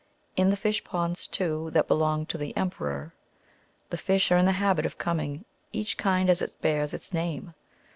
In the fish ponds, too, that belong to the Emperor, the fish are in the habit of coming, each kind as it bears its name.